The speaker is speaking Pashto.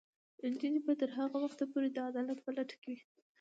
نجونې به تر هغه وخته پورې د عدالت په لټه کې وي.